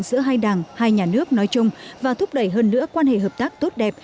giữa hai đảng hai nhà nước nói chung và thúc đẩy hơn nữa quan hệ hợp tác tốt đẹp